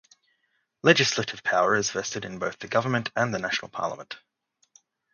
Legislative power is vested in both the government and the National Parliament.